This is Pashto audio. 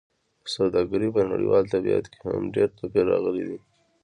د سوداګرۍ په نړیوال طبیعت کې هم ډېر توپیر راغلی دی.